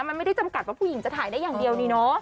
มันไม่ได้จำกัดว่าผู้หญิงจะถ่ายได้อย่างเดียวนี่เนอะ